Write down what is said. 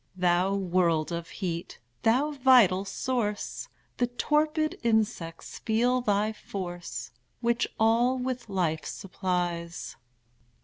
Thou world of heat! thou vital source! The torpid insects feel thy force, Which all with life supplies.